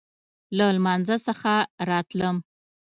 له لمانځه څخه راتلم.